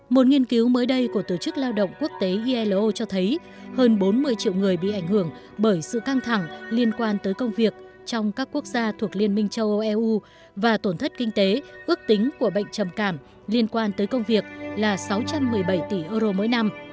một nghiên cứu mới đây của tổ chức lao động quốc tế ilo cho thấy hơn bốn mươi triệu người bị ảnh hưởng bởi sự căng thẳng liên quan tới công việc trong các quốc gia thuộc liên minh châu âu eu và tổn thất kinh tế ước tính của bệnh trầm cảm liên quan tới công việc là sáu trăm một mươi bảy tỷ euro mỗi năm